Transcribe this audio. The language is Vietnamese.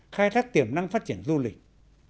khai thác tiềm năng phát triển du lịch